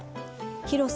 広さ